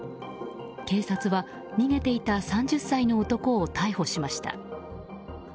警察は逃げていた３０歳の男を逮捕しました。